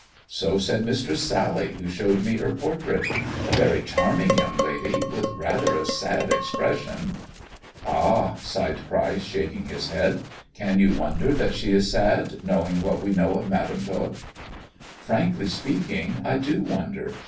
" So said Mistress Sally, who showed me her portrait. A very charming young lady, with rather a sad expression." " Ah !" sighed Pryce, shaking his head. " Can you wonder that she is sad, knowing what we know of Madam Tot 1 "" Frankly speaking, I do wonder.